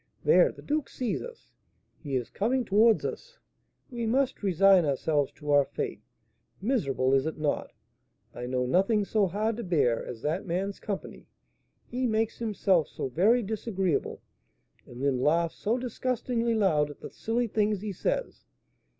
There, the duke sees us; he is coming towards us; we must resign ourselves to our fate, miserable, is it not? I know nothing so hard to bear as that man's company; he makes himself so very disagreeable, and then laughs so disgustingly loud at the silly things he says.